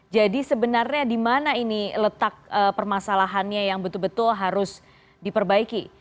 jadi sebenarnya di mana ini letak permasalahannya yang betul betul harus diperbaiki